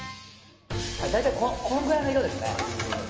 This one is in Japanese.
大体、このくらいの色ですね。